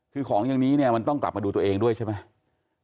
คือของอย่างนี้เนี่ยมันต้องกลับมาดูตัวเองด้วยใช่ไหม